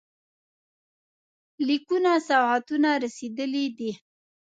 لیکونه او سوغاتونه رسېدلي دي.